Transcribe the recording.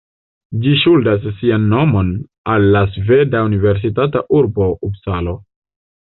Ĝi ŝuldas sian nomon al la sveda universitata urbo Upsalo.